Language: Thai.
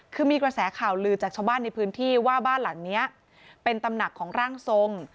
คือมีกระแสข่าวลือจากชาวบ้านในพื้นที่ว่าบ้านหลังนี้เป็นตำหนักของร่างทรง